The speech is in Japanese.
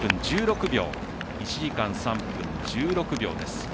１時間３分１６秒です。